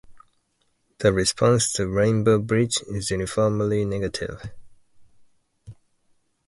The response to "Rainbow Bridge" is uniformly negative.